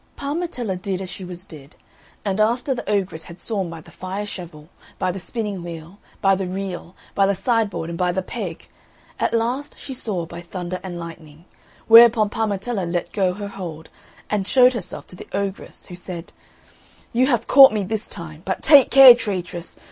Parmetella did as she was bid, and after the ogress had sworn by the fire shovel, by the spinning wheel, by the reel, by the sideboard, and by the peg, at last she swore by Thunder and Lightning; whereupon Parmetella let go her hold, and showed herself to the ogress, who said, "You have caught me this time; but take care, Traitress!